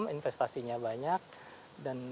investasinya banyak dan